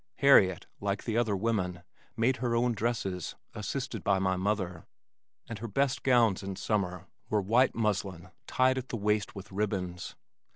Harriet, like the other women, made her own dresses, assisted by my mother, and her best gowns in summer were white muslin tied at the waist with ribbons.